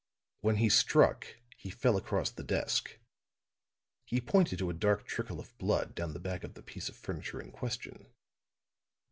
When he struck he fell across the desk." He pointed to a dark trickle of blood down the back of the piece of furniture in question.